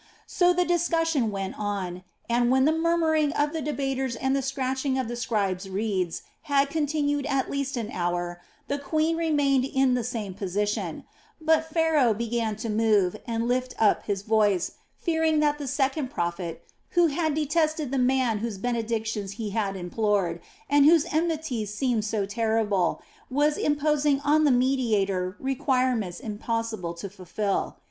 So the discussion went on, and when the murmuring of the debaters and the scratching of the scribes' reeds had continued at least an hour the queen remained in the same position; but Pharaoh began to move and lift up his voice, fearing that the second prophet, who had detested the man whose benedictions he had implored and whose enmity seemed so terrible, was imposing on the mediator requirements impossible to fulfil.